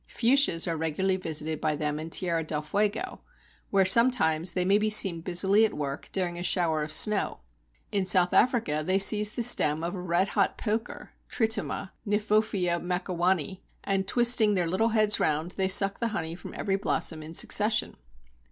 Fuchsias are regularly visited by them in Tierra del Fuego, where sometimes they may be seen busily at work during a shower of snow. In South Africa they seize the stem of a Redhot Poker (Tritoma) (Kniphofia macowanii), and twisting their little heads round, they suck the honey from every blossom in succession.